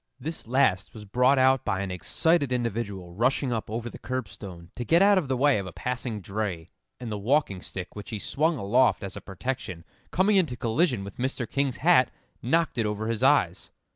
This last was brought out by an excited individual rushing up over the curbstone to get out of the way of a passing dray, and the walking stick which he swung aloft as a protection, coming into collision with Mr. King's hat, knocked it over his eyes.